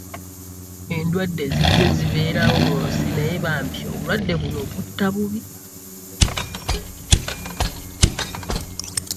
Endwadde zizze zibeerawo mu nsi naye bambi obulwadde buno butta bubi.